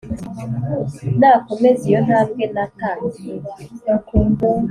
nakomeza iyo ntambwe natangiye